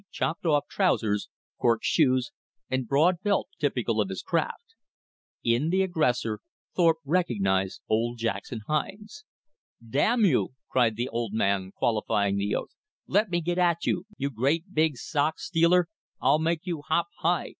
chopped off) trousers, "cork" shoes, and broad belt typical of his craft. In the aggressor Thorpe recognized old Jackson Hines. "Damn you!" cried the old man, qualifying the oath, "let me get at you, you great big sock stealer, I'll make you hop high!